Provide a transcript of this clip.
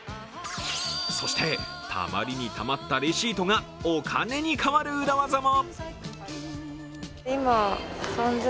そして、たまりにたまったレシートがお金に代わる裏技も。